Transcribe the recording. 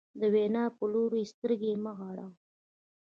د وینا په لوري یې سترګې مه غړوه.